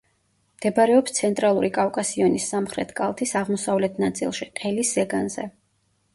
მდებარეობს ცენტრალური კავკასიონის სამხრეთ კალთის აღმოსავლეთ ნაწილში, ყელის ზეგანზე.